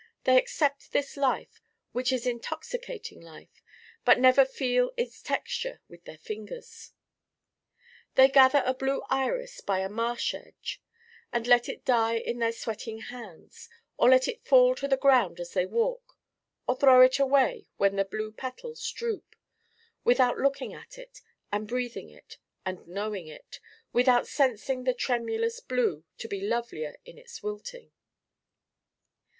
They accept this life, which is Intoxicating life, but never feel its texture with their fingers. They gather a Blue iris by a marsh edge and let it die in their sweating hands, or let it fall to the ground as they walk, or throw it away when the Blue petals droop: without looking at it and breathing it and knowing it: without sensing the tremulous Blue to be lovelier in its wilting.